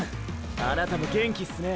あなたも元気すね